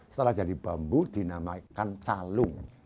setelah jadi bambu dinamakan calung